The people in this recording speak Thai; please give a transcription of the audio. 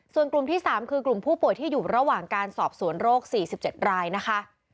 ส่วนกลุ่มที่๓คือกลุ่มผู้ป่วยที่อยู่ระหว่างการสอบสวนโรค๔๗รายนะคะ